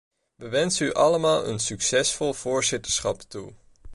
We wensen u allemaal een succesvol voorzitterschap toe.